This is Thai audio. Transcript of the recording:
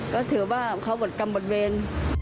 ก็ถือว่าเขาบทกรรมบทเวร